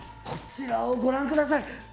こちらをご覧下さい。